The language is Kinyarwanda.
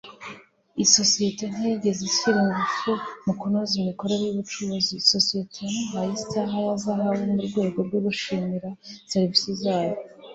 isosiyete ntiyigeze ishyira ingufu mu kunoza imikorere y'ubucuruzi. isosiyete yamuhaye isaha ya zahabu mu rwego rwo gushimira serivisi zayo